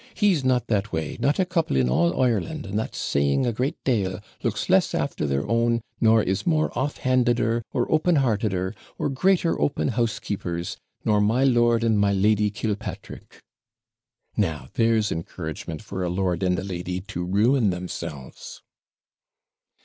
He's not that way: not a couple in all Ireland, and that's saying a great dale, looks less after their own, nor is more off handeder, or open hearteder, or greater open house keepers, NOR [than] my Lord and my Lady Killpatrick." Now there's encouragement for a lord and a lady to ruin themselves.'